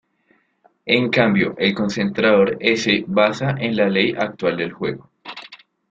En cambio el concentrador s basa en la ley actual del juego.